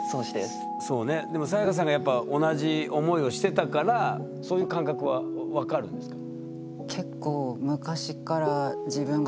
サヤカさんがやっぱ同じ思いをしてたからそういう感覚はわかるんですか？